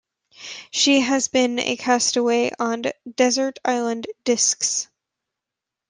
She has been a castaway on "Desert Island Discs".